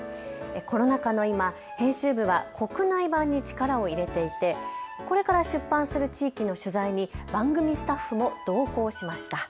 コロナ禍の今、編集部は国内版に力を入れていてこれから出版する地域の取材に番組スタッフも同行しました。